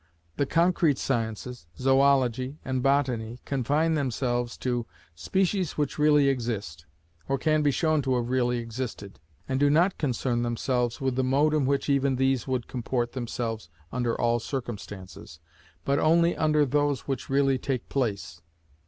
The concrete sciences, Zoology and Botany, confine themselves to species which really exist, or can be shown to have really existed: and do not concern themselves with the mode in which even these would comport themselves under all circumstances, but only under those which really take place.